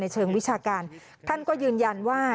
เชิงวิชาการท่านก็ยืนยันว่า